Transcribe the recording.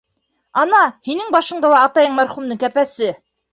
Ана һинең башыңда ла атайың мәрхүмдең кәпәсе.